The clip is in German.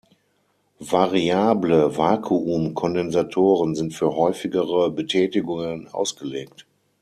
Variable Vakuumkondensatoren sind für häufigere Betätigungen ausgelegt.